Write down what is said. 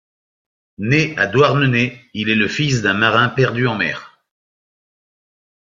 Né à Douarnenez, il est le fils d'un marin perdu en mer.